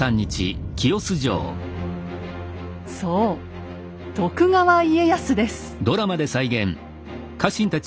そう徳川家康です。